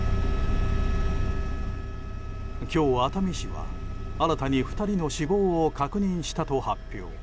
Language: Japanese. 今日、熱海市は新たに２人の死亡を確認したと発表。